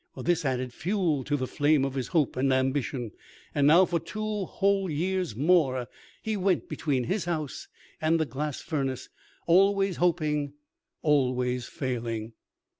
This added fuel to the flame of his hope and ambition. And now, for two whole years more, he went between his house and the glass furnace, always hoping, always failing.